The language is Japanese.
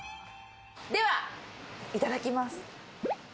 では、いただきます。